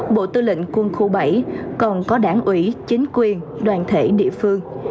bộ tư lệnh quân khu bảy còn có đảng ủy chính quyền đoàn thể địa phương